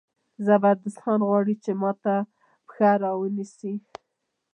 زبردست خان غواړي چې ما ته پښه را ونیسي.